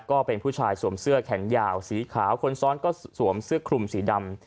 ก็เป็นผู้ชายสวมเสื้อแขนยาวสีขาวคนซ้อนก็สวมเสื้อคลุมสีดำ